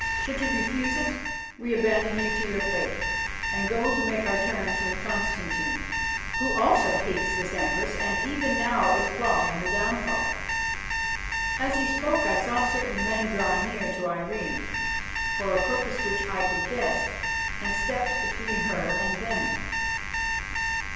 Should you refuse it, we abandon you to your fate, and go to make our terms with Constantine, who also hates this Empress and even now is plotting her downfall." As he spoke I saw certain men draw near to Irene for a purpose which I could guess, and stepped between her and them.